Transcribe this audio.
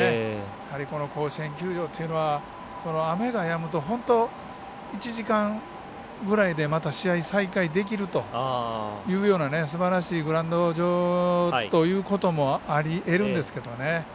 やはりこの甲子園球場というのは雨がやむと本当、１時間ぐらいで試合再開できるというようなすばらしいグラウンド場ということもありえるんですけど。